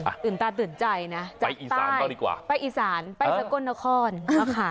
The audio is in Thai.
ตื่นตาตื่นใจนะไปอีสานก็ดีกว่าไปอีสานไปสกลนครนะคะ